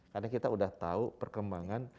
karena kita udah tau perkembangan